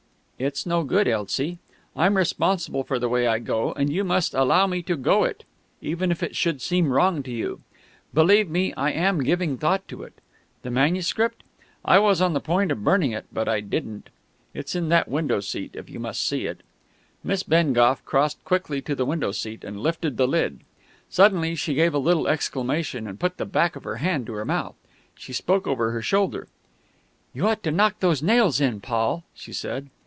"It's no good, Elsie. I'm responsible for the way I go, and you must allow me to go it even if it should seem wrong to you. Believe me, I am giving thought to it.... The manuscript? I was on the point of burning it, but I didn't. It's in that window seat, if you must see it." Miss Bengough crossed quickly to the window seat, and lifted the lid. Suddenly she gave a little exclamation, and put the back of her hand to her mouth. She spoke over her shoulder: "You ought to knock those nails in, Paul," she said.